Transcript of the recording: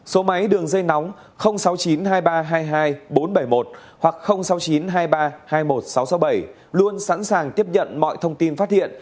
dây nóng sáu mươi chín hai nghìn ba trăm hai mươi hai bốn trăm bảy mươi một hoặc sáu mươi chín hai nghìn ba trăm hai mươi một sáu trăm sáu mươi bảy luôn sẵn sàng tiếp nhận mọi thông tin phát hiện